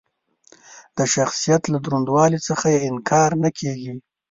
د شخصیت له دروندوالي څخه یې انکار نه کېږي.